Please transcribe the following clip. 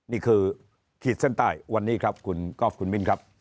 นี่คือขีดเส้นใต้วันนี้ครับคุณก๊อฟคุณมิ้นครับ